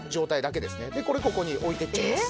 これここに置いてっちゃいます。